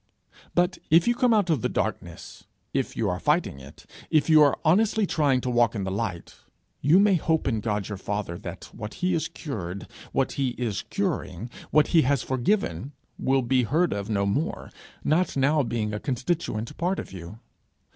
But if you have come out of the darkness, if you are fighting it, if you are honestly trying to walk in the light, you may hope in God your father that what he has cured, what he is curing, what he has forgiven, will be heard of no more, not now being a constituent part of you.